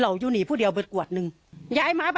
ภรรยาก็บอกว่านายเทวีอ้างว่าไม่จริงนายทองม่วนขโมย